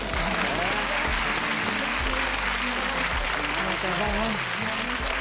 ありがとうございます。